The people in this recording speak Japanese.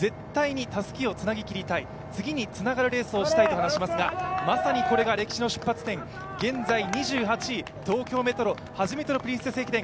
志水見千子監督も絶対にたすきをつなぎきりたい、次につながるレースをしたいと話しますがまさにこれが歴史の出発点、現在２８位東京メトロ初めてのプリンセス駅伝。